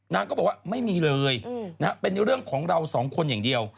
นางก็บอกว่าไม่มีเลยเป็นเรื่องของเราสองคนอย่างเดียว